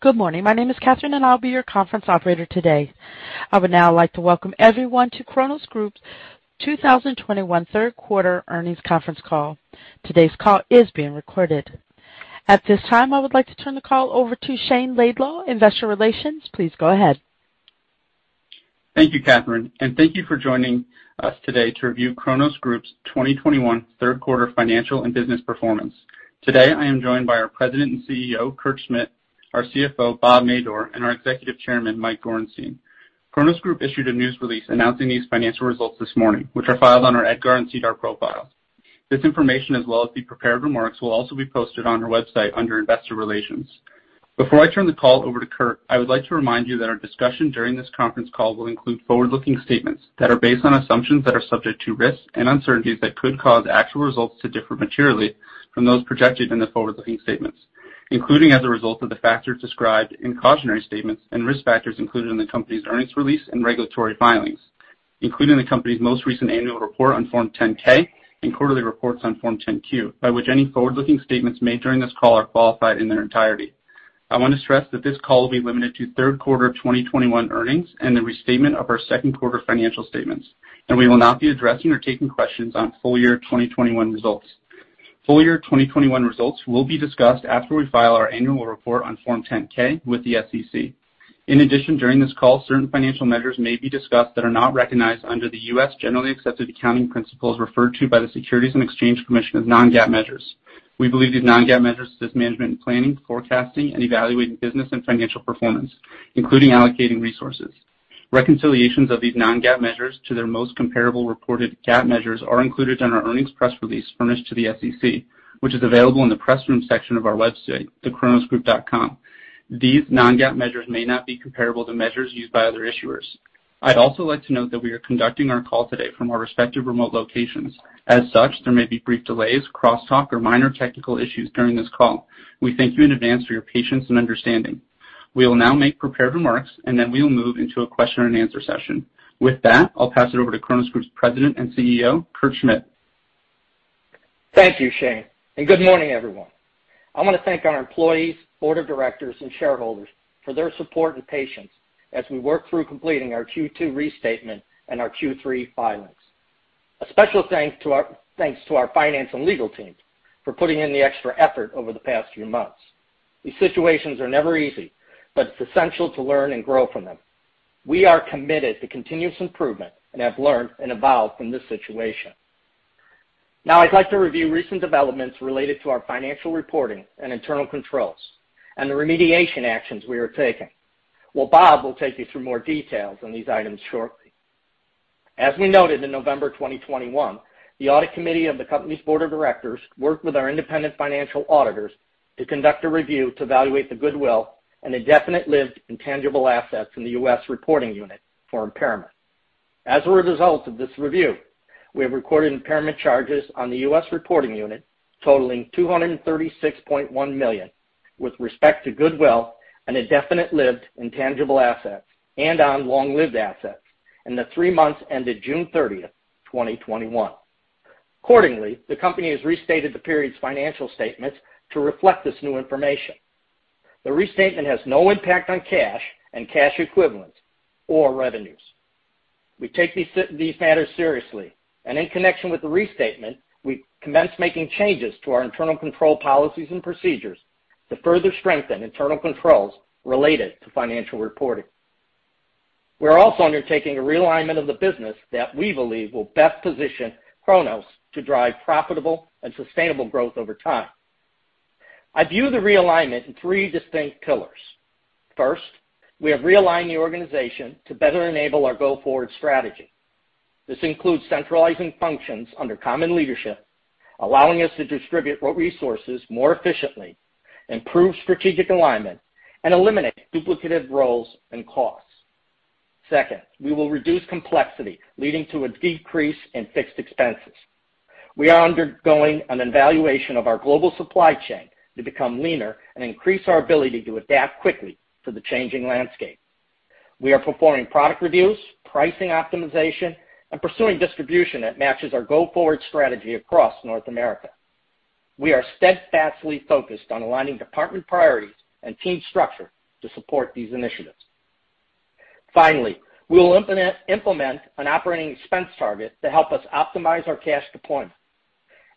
Good morning. My name is Catherine, and I'll be your conference operator today. I would now like to welcome everyone to Cronos Group's 2021 Third Quarter Earnings Conference Call. Today's call is being recorded. At this time, I would like to turn the call over to Shayne Laidlaw, Investor Relations. Please go ahead. Thank you, Catherine, and thank you for joining us today to review Cronos Group's 2021 third quarter financial and business performance. Today, I am joined by our president and CEO, Kurt Schmidt, our CFO, Bob Madore, and our executive chairman, Mike Gorenstein. Cronos Group issued a news release announcing these financial results this morning, which are filed on our EDGAR and SEDAR profile. This information, as well as the prepared remarks, will also be posted on our website under investor relations. Before I turn the call over to Kurt, I would like to remind you that our discussion during this conference call will include forward-looking statements that are based on assumptions that are subject to risks and uncertainties that could cause actual results to differ materially from those projected in the forward-looking statements, including as a result of the factors described in cautionary statements and risk factors included in the company's earnings release and regulatory filings, including the company's most recent annual report on Form 10-K and quarterly reports on Form 10-Q, by which any forward-looking statements made during this call are qualified in their entirety. I want to stress that this call will be limited to third quarter of 2021 earnings and the restatement of our second quarter financial statements, and we will not be addressing or taking questions on full year 2021 results. Full year 2021 results will be discussed after we file our annual report on Form 10-K with the SEC. In addition, during this call, certain financial measures may be discussed that are not recognized under the U.S. generally accepted accounting principles referred to by the Securities and Exchange Commission as non-GAAP measures. We believe these non-GAAP measures assist management in planning, forecasting, and evaluating business and financial performance, including allocating resources. Reconciliations of these non-GAAP measures to their most comparable reported GAAP measures are included in our earnings press release furnished to the SEC, which is available in the press room section of our website, thecronosgroup.com. These non-GAAP measures may not be comparable to measures used by other issuers. I'd also like to note that we are conducting our call today from our respective remote locations. As such, there may be brief delays, crosstalk, or minor technical issues during this call. We thank you in advance for your patience and understanding. We will now make prepared remarks, and then we will move into a question-and-answer session. With that, I'll pass it over to Cronos Group's President and CEO, Kurt Schmidt. Thank you, Shayne, and good morning, everyone. I want to thank our employees, Board of Directors, and shareholders for their support and patience as we work through completing our Q2 restatement and our Q3 filings. A special thanks to our finance and legal teams for putting in the extra effort over the past few months. These situations are never easy, but it's essential to learn and grow from them. We are committed to continuous improvement and have learned and evolved from this situation. Now I'd like to review recent developments related to our financial reporting and internal controls and the remediation actions we are taking, while Bob will take you through more details on these items shortly. As we noted in November 2021, the audit committee of the company's Board of Directors worked with our independent financial auditors to conduct a review to evaluate the goodwill and the indefinite-lived intangible assets in the U.S. reporting unit for impairment. As a result of this review, we have recorded impairment charges on the U.S. reporting unit totaling $236.1 million with respect to goodwill and indefinite-lived intangible assets and on long-lived assets in the three months ended June 30th, 2021. Accordingly, the company has restated the period's financial statements to reflect this new information. The restatement has no impact on cash and cash equivalents or revenues. We take these matters seriously, and in connection with the restatement, we commenced making changes to our internal control policies and procedures to further strengthen internal controls related to financial reporting. We're also undertaking a realignment of the business that we believe will best position Cronos to drive profitable and sustainable growth over time. I view the realignment in three distinct pillars. First, we have realigned the organization to better enable our go-forward strategy. This includes centralizing functions under common leadership, allowing us to distribute resources more efficiently, improve strategic alignment, and eliminate duplicative roles and costs. Second, we will reduce complexity, leading to a decrease in fixed expenses. We are undergoing an evaluation of our global supply chain to become leaner and increase our ability to adapt quickly to the changing landscape. We are performing product reviews, pricing optimization, and pursuing distribution that matches our go-forward strategy across North America. We are steadfastly focused on aligning department priorities and team structure to support these initiatives. Finally, we will implement an operating expense target to help us optimize our cash deployment.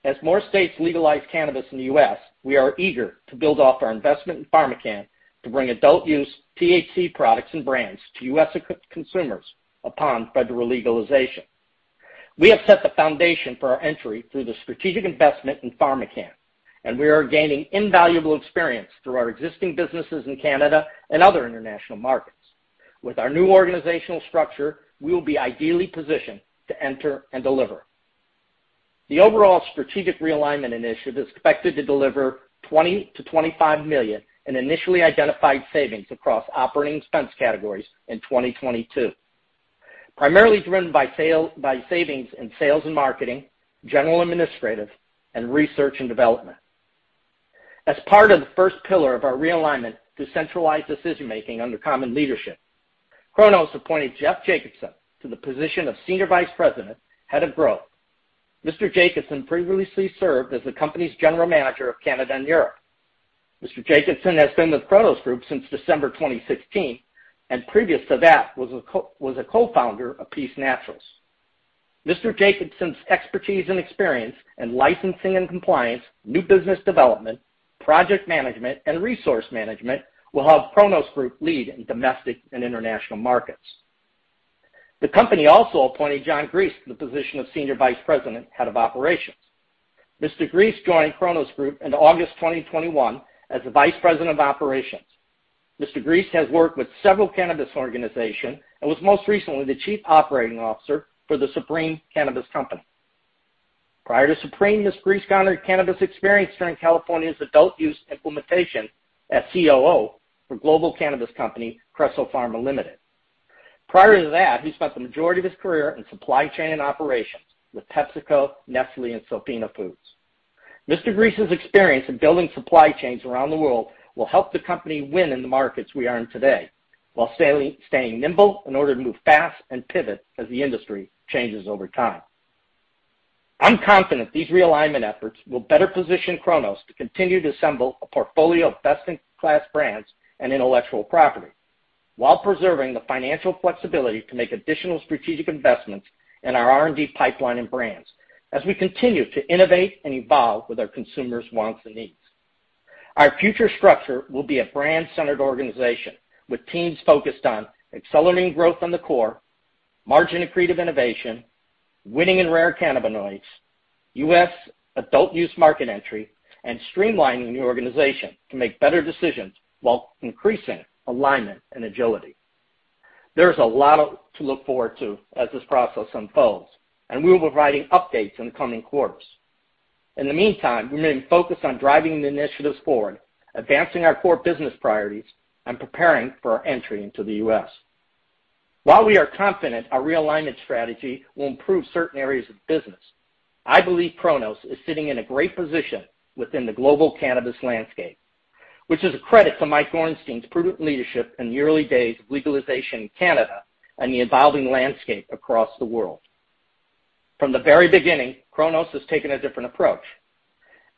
As more states legalize cannabis in the U.S., we are eager to build off our investment in PharmaCann to bring adult-use THC products and brands to U.S. consumers upon federal legalization. We have set the foundation for our entry through the strategic investment in PharmaCann, and we are gaining invaluable experience through our existing businesses in Canada and other international markets. With our new organizational structure, we will be ideally positioned to enter and deliver. The overall strategic realignment initiative is expected to deliver $20 million-$25 million in initially identified savings across operating expense categories in 2022, primarily driven by savings in sales and marketing, general administrative, and research and development. As part of the first pillar of our realignment to centralize decision-making under common leadership, Cronos appointed Jeff Jacobson to the position of Senior Vice President, Head of Growth. Mr. Jacobson previously served as the company's General Manager of Canada and Europe. Mr. Jacobson has been with Cronos Group since December 2016, and previous to that, was a Co-Founder of Peace Naturals. Mr. Jacobson's expertise and experience in licensing and compliance, new business development, project management, and resource management will help Cronos Group lead in domestic and international markets. The company also appointed John Griese to the position of Senior Vice President, Head of Operations. Mr. Griese joined Cronos Group in August 2021 as the Vice President of Operations. Mr. Griese has worked with several cannabis organizations and was most recently the Chief Operating Officer for the Supreme Cannabis Company. Prior to Supreme, Mr. Griese garnered cannabis experience during California's adult-use implementation as COO for global cannabis company Creso Pharma Ltd. Prior to that, he spent the majority of his career in supply chain and operations with PepsiCo, Nestlé, and Sofina Foods. Mr. Griese's experience in building supply chains around the world will help the company win in the markets we are in today, while staying nimble in order to move fast and pivot as the industry changes over time. I'm confident these realignment efforts will better position Cronos to continue to assemble a portfolio of best-in-class brands and intellectual property while preserving the financial flexibility to make additional strategic investments in our R&D pipeline and brands as we continue to innovate and evolve with our consumers' wants and needs. Our future structure will be a brand-centered organization with teams focused on accelerating growth on the core, margin and creative innovation, winning in rare cannabinoids, U.S. adult use market entry, and streamlining the organization to make better decisions while increasing alignment and agility. There is a lot to look forward to as this process unfolds, and we will be providing updates in the coming quarters. In the meantime, we remain focused on driving the initiatives forward, advancing our core business priorities, and preparing for our entry into the U.S. While we are confident our realignment strategy will improve certain areas of the business, I believe Cronos is sitting in a great position within the global cannabis landscape, which is a credit to Mike Gorenstein's prudent leadership in the early days of legalization in Canada and the evolving landscape across the world. From the very beginning, Cronos has taken a different approach.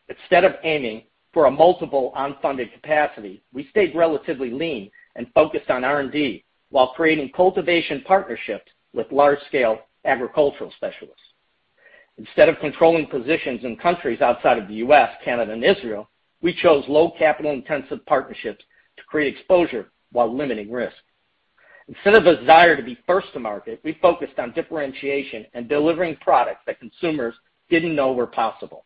Instead of aiming for a multiple unfunded capacity, we stayed relatively lean and focused on R&D while creating cultivation partnerships with large-scale agricultural specialists. Instead of controlling positions in countries outside of the U.S., Canada, and Israel, we chose low capital-intensive partnerships to create exposure while limiting risk. Instead of a desire to be first to market, we focused on differentiation and delivering products that consumers didn't know were possible.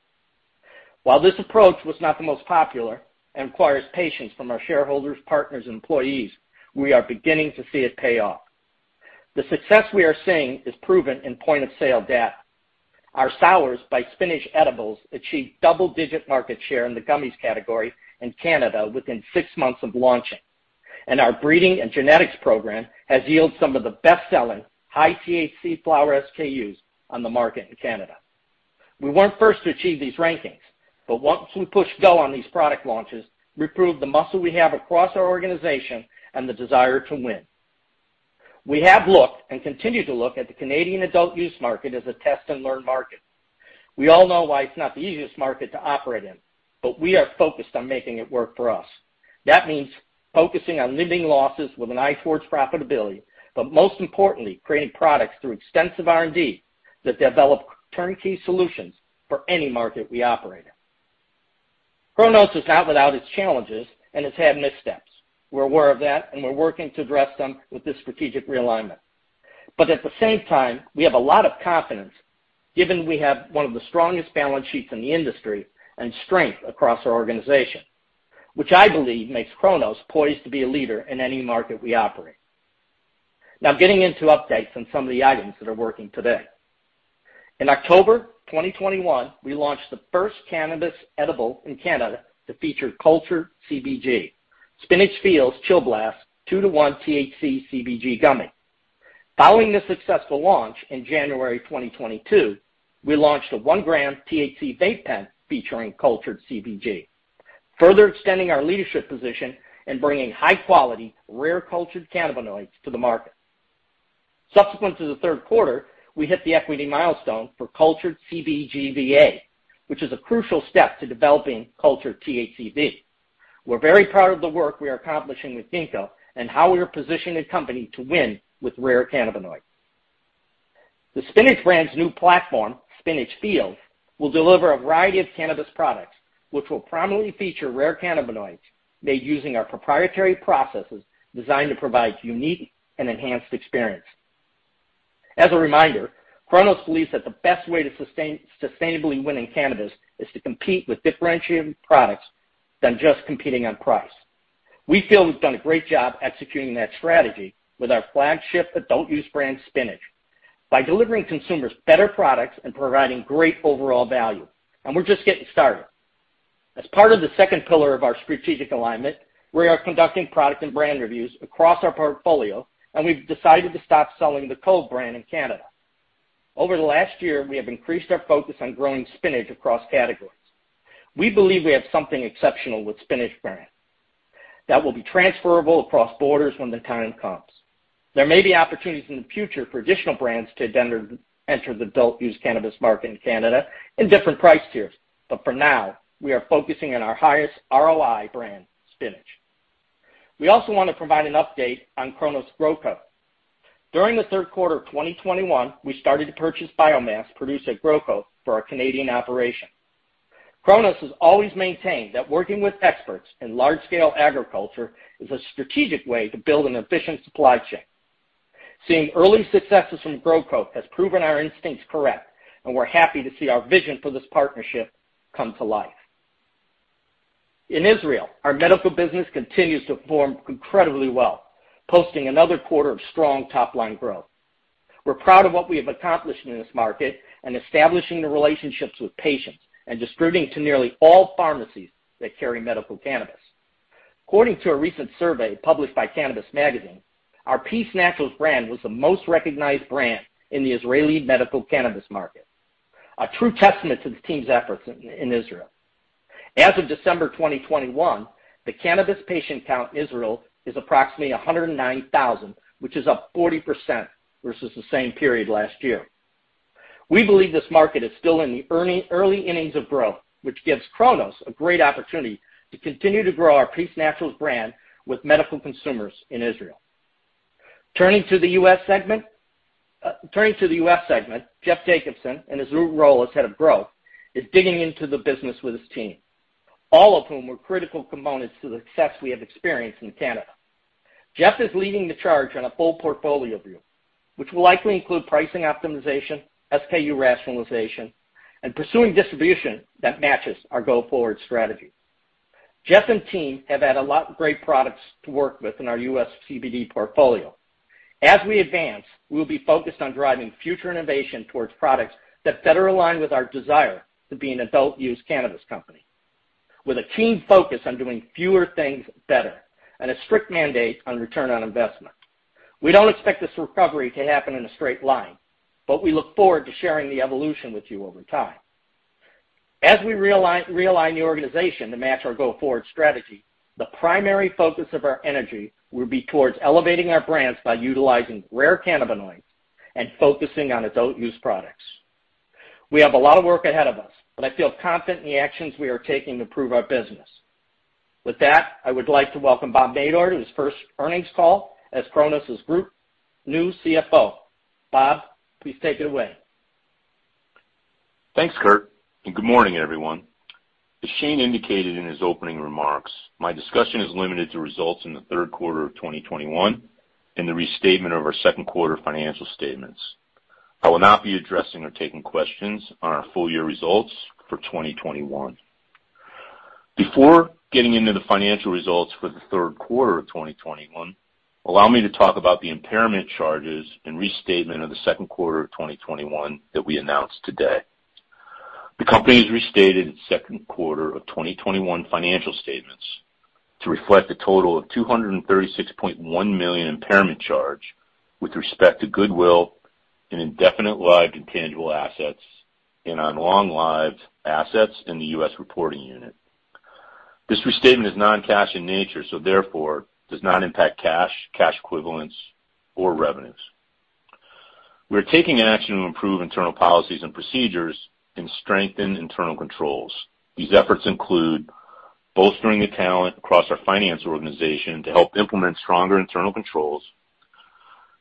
While this approach was not the most popular and requires patience from our shareholders, partners, and employees, we are beginning to see it pay off. The success we are seeing is proven in point-of-sale data. Our SOURZ by Spinach edibles achieved double-digit market share in the gummies category in Canada within six months of launching, and our breeding and genetics program has yielded some of the best-selling high-THC flower SKUs on the market in Canada. We weren't first to achieve these rankings, but once we pushed go on these product launches, we proved the muscle we have across our organization and the desire to win. We have looked and continue to look at the Canadian adult-use market as a test-and-learn market. We all know why it's not the easiest market to operate in, but we are focused on making it work for us. That means focusing on limiting losses with an eye towards profitability, but most importantly, creating products through extensive R&D that develop turnkey solutions for any market we operate in. Cronos is not without its challenges and has had missteps. We're aware of that, and we're working to address them with this strategic realignment. At the same time, we have a lot of confidence given we have one of the strongest balance sheets in the industry and strength across our organization, which I believe makes Cronos poised to be a leader in any market we operate. Now getting into updates on some of the items that are working today. In October 2021, we launched the first cannabis edible in Canada to feature cultured CBG, SPINACH FEELZ Chill Bliss 2:1 THC/CBG gummy. Following this successful launch in January 2022, we launched a 1 g THC vape pen featuring cultured CBG, further extending our leadership position and bringing high-quality, rare cultured cannabinoids to the market. Subsequent to the third quarter, we hit the equity milestone for cultured CBGVA, which is a crucial step to developing cultured THCV. We're very proud of the work we are accomplishing with Ginkgo and how we are positioning the company to win with rare cannabinoids. The Spinach brand's new platform, Spinach FEELZ, will deliver a variety of cannabis products, which will prominently feature rare cannabinoids made using our proprietary processes designed to provide unique and enhanced experience. As a reminder, Cronos believes that the best way to sustainably win in cannabis is to compete with differentiated products than just competing on price. We feel we've done a great job executing that strategy with our flagship adult use brand, Spinach, by delivering consumers better products and providing great overall value, and we're just getting started. As part of the second pillar of our strategic alignment, we are conducting product and brand reviews across our portfolio, and we've decided to stop selling the COVE brand in Canada. Over the last year, we have increased our focus on growing Spinach across categories. We believe we have something exceptional with Spinach brand. That will be transferable across borders when the time comes. There may be opportunities in the future for additional brands to enter the adult-use cannabis market in Canada in different price tiers. For now, we are focusing on our highest ROI brand, Spinach. We also wanna provide an update on Cronos GrowCo. During the third quarter of 2021, we started to purchase biomass produced at GrowCo for our Canadian operation. Cronos has always maintained that working with experts in large scale agriculture is a strategic way to build an efficient supply chain. Seeing early successes from GrowCo has proven our instincts correct, and we're happy to see our vision for this partnership come to life. In Israel, our medical business continues to perform incredibly well, posting another quarter of strong top line growth. We're proud of what we have accomplished in this market and establishing the relationships with patients and distributing to nearly all pharmacies that carry medical cannabis. According to a recent survey published by Cannabis Magazine, our Peace Naturals brand was the most recognized brand in the Israeli medical cannabis market, a true testament to the team's efforts in Israel. As of December 2021, the cannabis patient count in Israel is approximately 109,000, which is up 40% versus the same period last year. We believe this market is still in the early innings of growth, which gives Cronos a great opportunity to continue to grow our Peace Naturals brand with medical consumers in Israel. Turning to the U.S. segment, Jeff Jacobson, in his new role as Head of Growth, is digging into the business with his team, all of whom were critical components to the success we have experienced in Canada. Jeff is leading the charge on a full portfolio view, which will likely include pricing optimization, SKU rationalization, and pursuing distribution that matches our go-forward strategy. Jeff and team have had a lot of great products to work with in our U.S. CBD portfolio. As we advance, we will be focused on driving future innovation towards products that better align with our desire to be an adult-use cannabis company, with a keen focus on doing fewer things better and a strict mandate on return on investment. We don't expect this recovery to happen in a straight line, but we look forward to sharing the evolution with you over time. As we realign the organization to match our go-forward strategy, the primary focus of our energy will be towards elevating our brands by utilizing rare cannabinoids and focusing on adult use products. We have a lot of work ahead of us, but I feel confident in the actions we are taking to prove our business. With that, I would like to welcome Bob Madore to his first earnings call as Cronos Group's new CFO. Bob, please take it away. Thanks, Kurt, and good morning, everyone. As Shayne indicated in his opening remarks, my discussion is limited to results in the third quarter of 2021 and the restatement of our second quarter financial statements. I will not be addressing or taking questions on our full year results for 2021. Before getting into the financial results for the third quarter of 2021, allow me to talk about the impairment charges and restatement of the second quarter of 2021 that we announced today. The company has restated its second quarter of 2021 financial statements to reflect a total of $236.1 million impairment charge with respect to goodwill and indefinite-lived intangible assets and long-lived assets in the U.S. reporting unit. This restatement is non-cash in nature, so therefore does not impact cash equivalents, or revenues. We are taking action to improve internal policies and procedures and strengthen internal controls. These efforts include bolstering the talent across our finance organization to help implement stronger internal controls.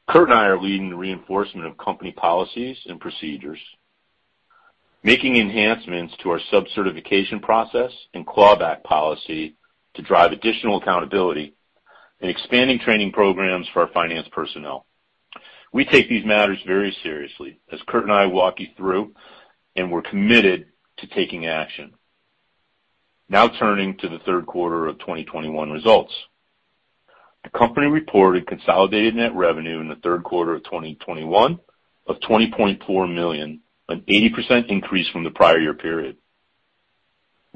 Kurt and I are leading the reinforcement of company policies and procedures, making enhancements to our sub-certification process and clawback policy to drive additional accountability, and expanding training programs for our finance personnel. We take these matters very seriously as Kurt and I walk you through, and we're committed to taking action. Now turning to the third quarter of 2021 results. The company reported consolidated net revenue in the third quarter of 2021 of $20.4 million, an 80% increase from the prior year period.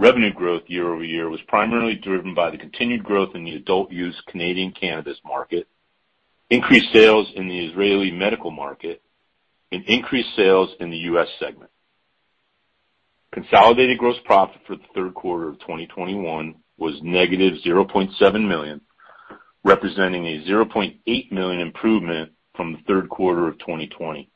Revenue growth year-over-year was primarily driven by the continued growth in the adult-use Canadian cannabis market, increased sales in the Israeli medical market, and increased sales in the U.S. segment. Consolidated gross profit for the third quarter of 2021 was -$0.7 million, representing a $0.8 million improvement from the third quarter of 2020.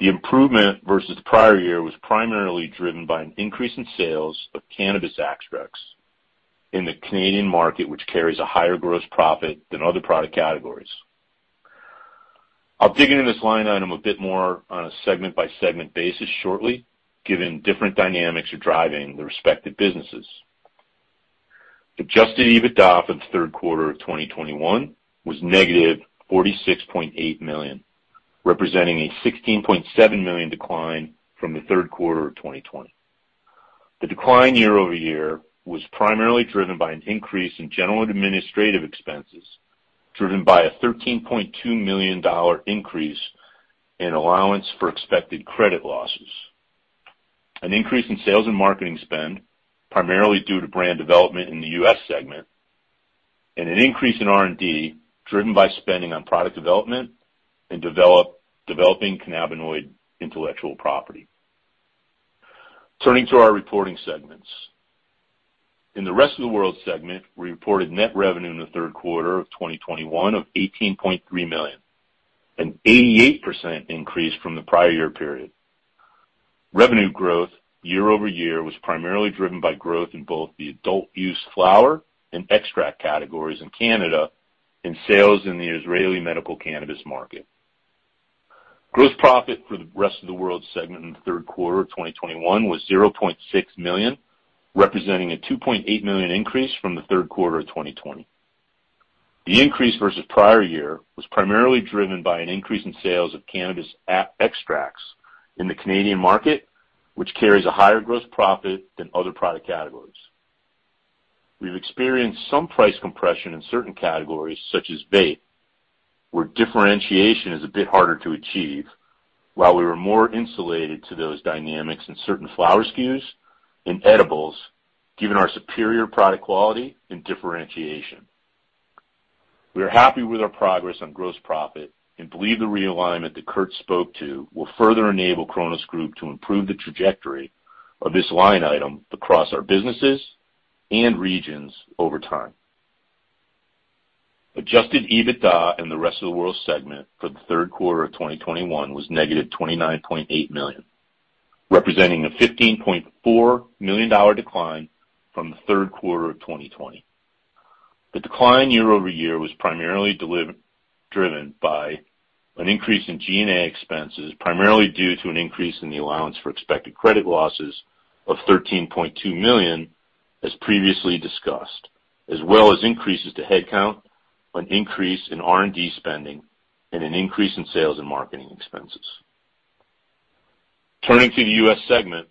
The improvement versus the prior year was primarily driven by an increase in sales of cannabis extracts in the Canadian market, which carries a higher gross profit than other product categories. I'll dig into this line item a bit more on a segment by segment basis shortly, given different dynamics are driving the respective businesses. Adjusted EBITDA for the third quarter of 2021 was -$46.8 million, representing a $16.7 million decline from the third quarter of 2020. The decline year-over-year was primarily driven by an increase in general administrative expenses, driven by a $13.2 million increase in allowance for expected credit losses, an increase in sales and marketing spend, primarily due to brand development in the U.S. segment, and an increase in R&D driven by spending on product development and developing cannabinoid intellectual property. Turning to our reporting segments. In the rest of the world segment, we reported net revenue in the third quarter of 2021 of $18.3 million, an 88% increase from the prior year period. Revenue growth year-over-year was primarily driven by growth in both the adult-use flower and extract categories in Canada and sales in the Israeli medical cannabis market. Gross profit for the Rest of the World segment in the third quarter of 2021 was $0.6 million, representing a $2.8 million increase from the third quarter of 2020. The increase versus prior year was primarily driven by an increase in sales of cannabis extracts in the Canadian market, which carries a higher gross profit than other product categories. We've experienced some price compression in certain categories, such as vape, where differentiation is a bit harder to achieve. While we were more insulated from those dynamics in certain flower SKUs and edibles given our superior product quality and differentiation. We are happy with our progress on gross profit and believe the realignment that Kurt spoke to will further enable Cronos Group to improve the trajectory of this line item across our businesses and regions over time. Adjusted EBITDA in the Rest of the World segment for the third quarter of 2021 was -$29.8 million, representing a $15.4 million decline from the third quarter of 2020. The decline year-over-year was primarily driven by an increase in G&A expenses, primarily due to an increase in the allowance for expected credit losses of $13.2 million, as previously discussed, as well as increases to headcount, an increase in R&D spending, and an increase in sales and marketing expenses. Turning to the U.S. segment,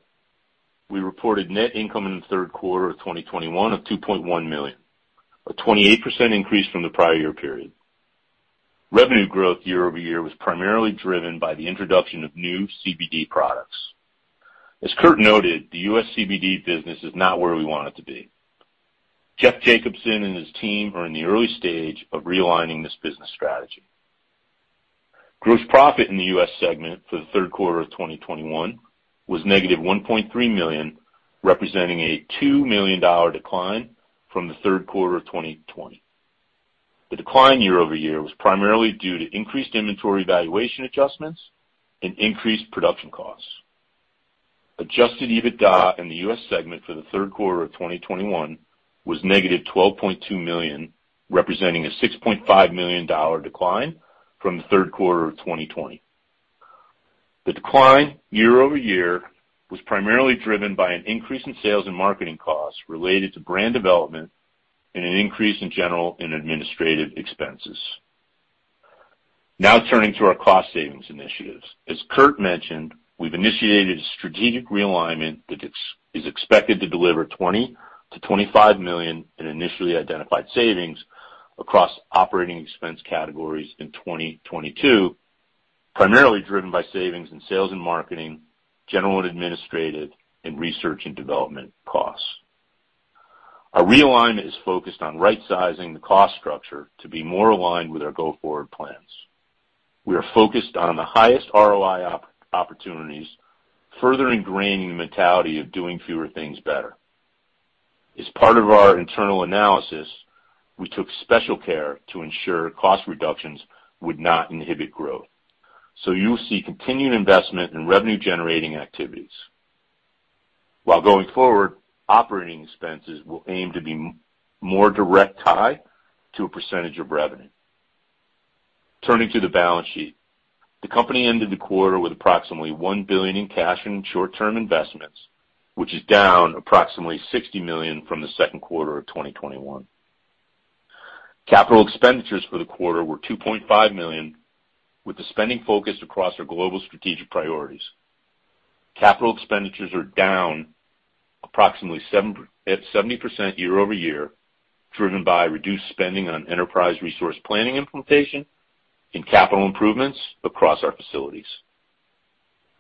we reported net income in the third quarter of 2021 of $2.1 million, a 28% increase from the prior year period. Revenue growth year-over-year was primarily driven by the introduction of new CBD products. As Kurt noted, the U.S. CBD business is not where we want it to be. Jeff Jacobson and his team are in the early stage of realigning this business strategy. Gross profit in the U.S. segment for the third quarter of 2021 was -$1.3 million, representing a $2 million decline from the third quarter of 2020. The decline year-over-year was primarily due to increased inventory valuation adjustments and increased production costs. Adjusted EBITDA in the U.S. segment for the third quarter of 2021 was -$12.2 million, representing a $6.5 million decline from the third quarter of 2020. The decline year-over-year was primarily driven by an increase in sales and marketing costs related to brand development and an increase in general and administrative expenses. Now turning to our cost savings initiatives. As Kurt mentioned, we've initiated a strategic realignment that is expected to deliver $20 million-$25 million in initially identified savings across operating expense categories in 2022, primarily driven by savings in sales and marketing, general and administrative, and research and development costs. Our realignment is focused on right-sizing the cost structure to be more aligned with our go-forward plans. We are focused on the highest ROI opportunities, further ingraining the mentality of doing fewer things better. As part of our internal analysis, we took special care to ensure cost reductions would not inhibit growth. You'll see continued investment in revenue-generating activities. While going forward, operating expenses will aim to be more direct tie to a percentage of revenue. Turning to the balance sheet. The company ended the quarter with approximately $1 billion in cash and short-term investments, which is down approximately $60 million from the second quarter of 2021. Capital expenditures for the quarter were $2.5 million, with the spending focused across our global strategic priorities. Capital expenditures are down approximately 70% year-over-year, driven by reduced spending on enterprise resource planning implementation and capital improvements across our facilities.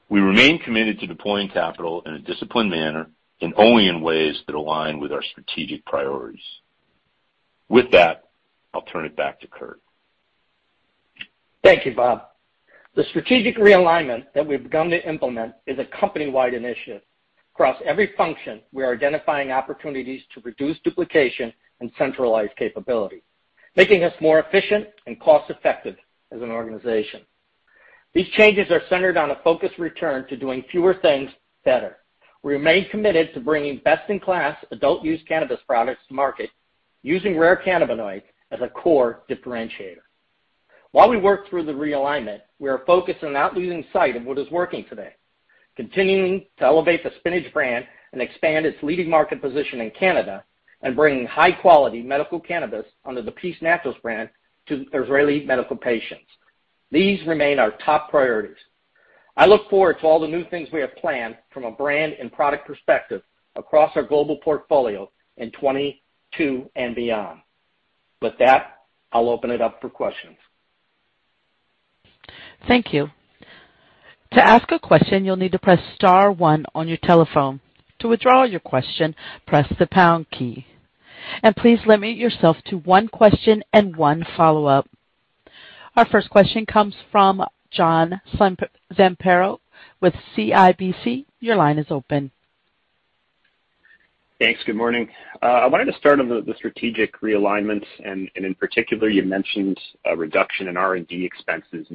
We remain committed to deploying capital in a disciplined manner and only in ways that align with our strategic priorities. With that, I'll turn it back to Kurt. Thank you, Bob. The strategic realignment that we've begun to implement is a company-wide initiative. Across every function, we are identifying opportunities to reduce duplication and centralize capability, making us more efficient and cost-effective as an organization. These changes are centered on a focused return to doing fewer things better. We remain committed to bringing best-in-class adult use cannabis products to market using rare cannabinoids as a core differentiator. While we work through the realignment, we are focused on not losing sight of what is working today, continuing to elevate the Spinach brand and expand its leading market position in Canada and bringing high-quality medical cannabis under the Peace Naturals brand to Israeli medical patients. These remain our top priorities. I look forward to all the new things we have planned from a brand and product perspective across our global portfolio in 2022 and beyond. With that, I'll open it up for questions. Thank you. To ask a question, you need to press star one on your telephone. To withdraw your question, press the pound key. And please limit yourself to one question and one follow-up. Our first question comes from John Zamparo with CIBC. Your line is open. Thanks. Good morning. I wanted to start on the strategic realignments and in particular you mentioned a reduction in R&D expenses.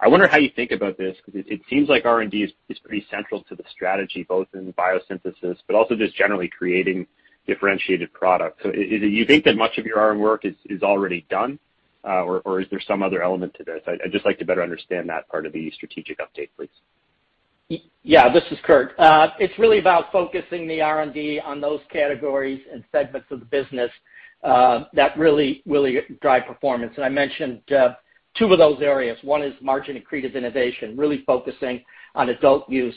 I wonder how you think about this, because it seems like R&D is pretty central to the strategy both in biosynthesis, but also just generally creating differentiated products. Do you think that much of your R&D work is already done, or is there some other element to this? I'd just like to better understand that part of the strategic update, please. Yeah, this is Kurt. It's really about focusing the R&D on those categories and segments of the business that really drive performance. I mentioned two of those areas. One is margin-accretive innovation, really focusing on adult use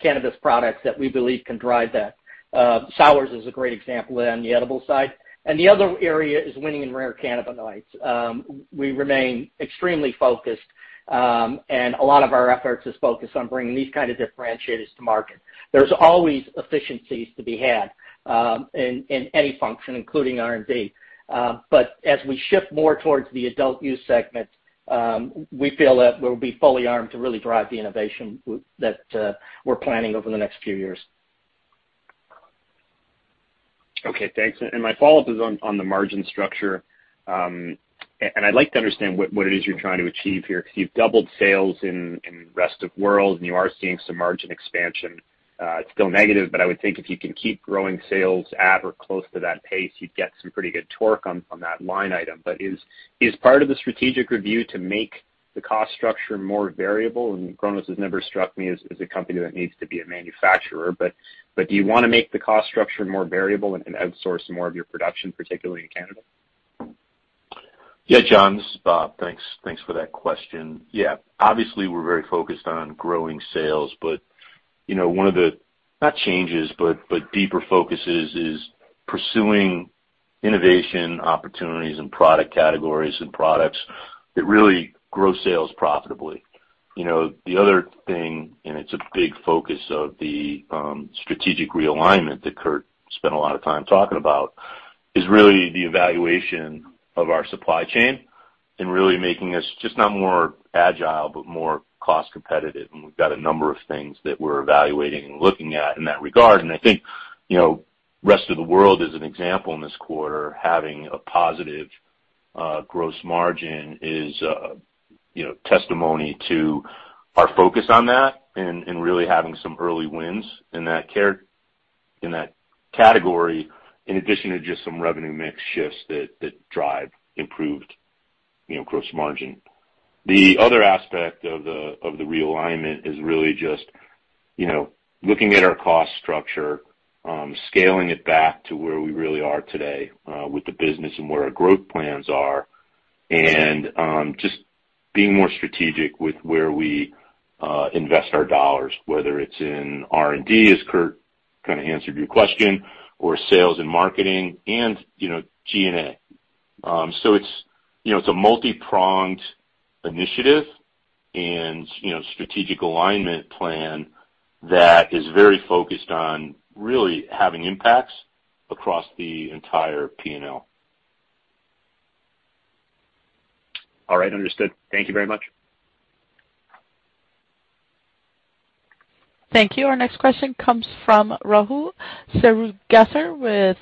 cannabis products that we believe can drive that. SOURZ is a great example there on the edible side. The other area is winning in rare cannabinoids. We remain extremely focused, and a lot of our efforts is focused on bringing these kind of differentiators to market. There's always efficiencies to be had in any function, including R&D. As we shift more towards the adult use segment, we feel that we'll be fully armed to really drive the innovation that we're planning over the next few years. Okay, thanks. My follow-up is on the margin structure. And I'd like to understand what it is you're trying to achieve here, because you've doubled sales in rest of world, and you are seeing some margin expansion. It's still negative, but I would think if you can keep growing sales at or close to that pace, you'd get some pretty good torque on that line item. Is part of the strategic review to make the cost structure more variable? Cronos has never struck me as a company that needs to be a manufacturer. Do you want to make the cost structure more variable and outsource more of your production, particularly in Canada? Yeah, John, this is Bob. Thanks for that question. Yeah. Obviously, we're very focused on growing sales, but, you know, one of the, not changes, but deeper focuses is pursuing innovation opportunities and product categories and products that really grow sales profitably. You know, the other thing, and it's a big focus of the strategic realignment that Kurt spent a lot of time talking about, is really the evaluation of our supply chain and really making us just not more agile but more cost competitive. We've got a number of things that we're evaluating and looking at in that regard. I think, you know, Rest of the World is an example in this quarter, having a positive gross margin is, you know, testimony to our focus on that and really having some early wins in that category, in addition to just some revenue mix shifts that drive improved, you know, gross margin. The other aspect of the realignment is really just, you know, looking at our cost structure, scaling it back to where we really are today with the business and where our growth plans are, and just being more strategic with where we invest our dollars, whether it's in R&D, as Kurt kind of answered your question, or sales and marketing and, you know, G&A. It's a multipronged initiative and, you know, strategic alignment plan that is very focused on really having impacts across the entire P&L. All right. Understood. Thank you very much. Thank you. Our next question comes from Rahul Sarugaser with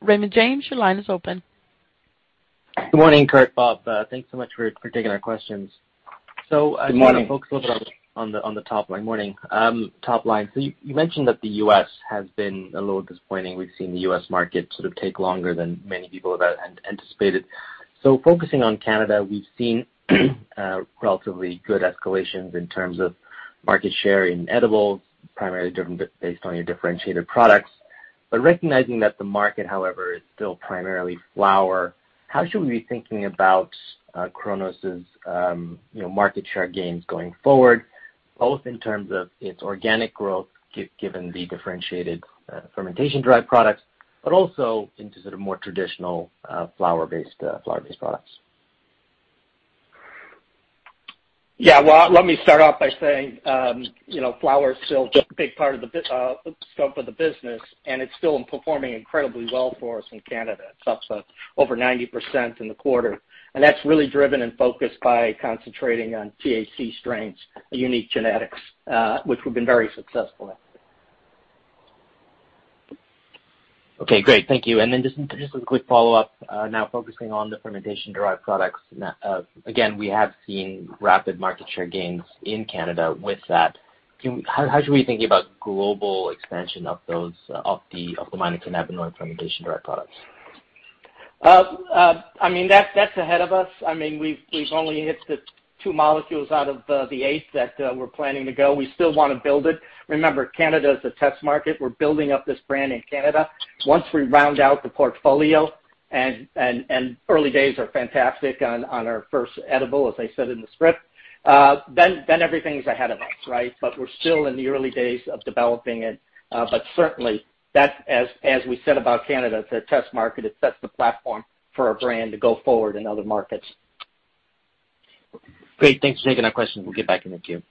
Raymond James. Your line is open. Good morning, Kurt, Bob. Thanks so much for taking our questions. Good morning. I just want to focus a little bit on the top line this morning. You mentioned that the U.S. has been a little disappointing. We've seen the U.S. market sort of take longer than many people had anticipated. Focusing on Canada, we've seen relatively good accelerations in terms of market share in edibles, primarily driven based on your differentiated products. Recognizing that the market, however, is still primarily flower, how should we be thinking about Cronos's market share gains going forward, both in terms of its organic growth given the differentiated fermentation-derived products, but also into sort of more traditional flower-based products? Well, let me start off by saying, you know, flower is still a big part of the scope of the business, and it's still performing incredibly well for us in Canada. It's up to over 90% in the quarter, and that's really driven and focused by concentrating on THC strains, unique genetics, which we've been very successful at. Okay, great. Thank you. Just a quick follow-up, now focusing on the fermentation-derived products. Now, again, we have seen rapid market share gains in Canada with that. How should we be thinking about global expansion of those, of the rare cannabinoid fermentation-derived products? I mean, that's ahead of us. I mean, we've only hit the two molecules out of the eight that we're planning to go. We still wanna build it. Remember, Canada is a test market. We're building up this brand in Canada. Once we round out the portfolio and early days are fantastic on our first edible, as I said in the script, then everything's ahead of us, right? We're still in the early days of developing it. Certainly that, as we said about Canada, it's a test market. It sets the platform for our brand to go forward in other markets. Great. Thanks for taking our question. We'll get back in the queue.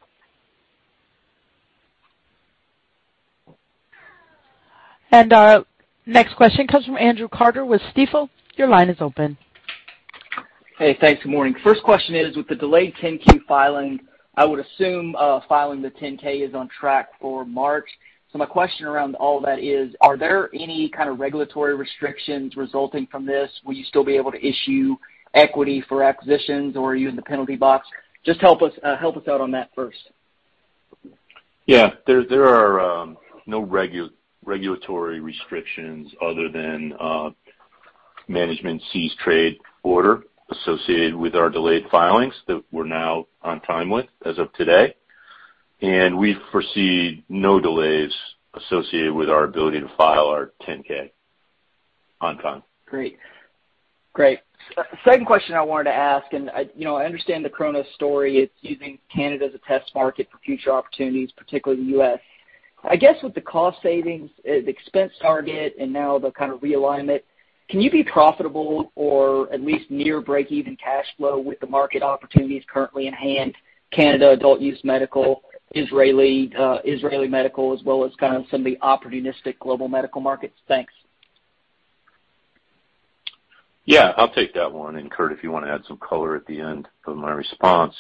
Next question comes from Andrew Carter with Stifel. Your line is open. Hey, thanks. Good morning. First question is with the delayed 10-Q filing, I would assume, filing the 10-K is on track for March. My question around all that is, are there any kind of regulatory restrictions resulting from this? Will you still be able to issue equity for acquisitions or are you in the penalty box? Just help us out on that first. Yeah. There are no regulatory restrictions other than management cease trade order associated with our delayed filings that we're now on time with as of today. We foresee no delays associated with our ability to file our 10-K on time. Great. Second question I wanted to ask, and, you know, I understand the Cronos story. It's using Canada as a test market for future opportunities, particularly the U.S. I guess, with the cost savings, the expense target and now the kind of realignment, can you be profitable or at least near break-even cash flow with the market opportunities currently in hand, Canada adult use medical, Israeli medical as well as kind of some of the opportunistic global medical markets? Thanks. Yeah, I'll take that one and Kurt, if you wanna add some color at the end of my response.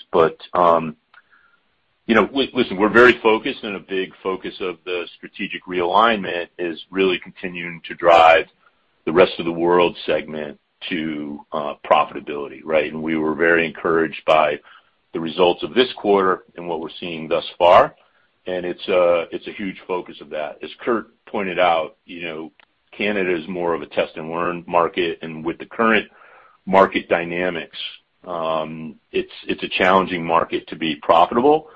You know, listen, we're very focused, and a big focus of the strategic realignment is really continuing to drive the Rest of the World segment to profitability, right? We were very encouraged by the results of this quarter and what we're seeing thus far. It's a huge focus of that. As Kurt pointed out, you know, Canada is more of a test and learn market. With the current market dynamics, it's a challenging market to be profitable.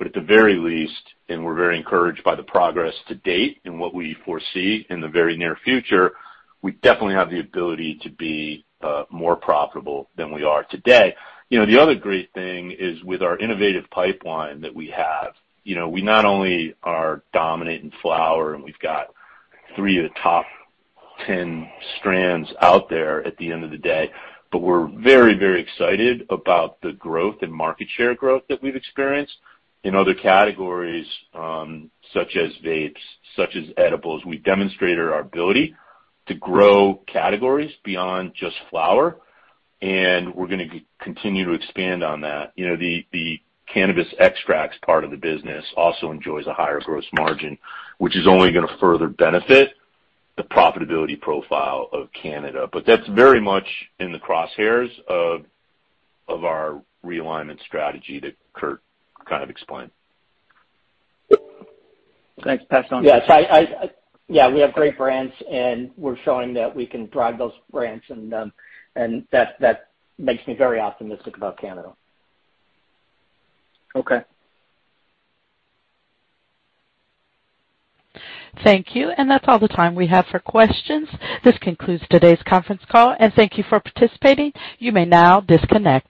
At the very least, we're very encouraged by the progress to date and what we foresee in the very near future, we definitely have the ability to be more profitable than we are today. You know, the other great thing is with our innovative pipeline that we have, you know, we not only are dominant in flower, and we've got three of the top 10 strains out there at the end of the day, but we're very, very excited about the growth and market share growth that we've experienced in other categories, such as vapes, such as edibles. We've demonstrated our ability to grow categories beyond just flower, and we're gonna continue to expand on that. You know, the cannabis extracts part of the business also enjoys a higher gross margin, which is only gonna further benefit the profitability profile of Canada. That's very much in the crosshairs of our realignment strategy that Kurt kind of explained. Thanks. Pass it on. Yes. Yeah, we have great brands, and we're showing that we can drive those brands and that makes me very optimistic about Canada. Okay. Thank you. That's all the time we have for questions. This concludes today's conference call and thank you for participating. You may now disconnect.